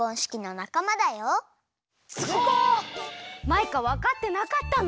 マイカわかってなかったの？